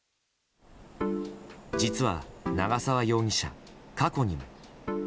実は長沢容疑者、過去にも。